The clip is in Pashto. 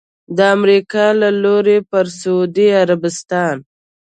د امریکا له لوري پر سعودي عربستان